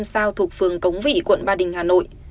sao thuộc phường cống vị quận ba đình hà nội